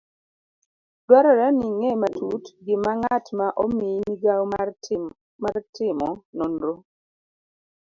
Dwarore ni ing'e matut gima ng'at ma omiyi migawo mar timo nonro